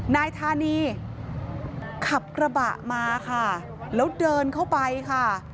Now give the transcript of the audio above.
นายธานีขับกระบะมาค่ะแล้วเดินเข้าไปค่ะ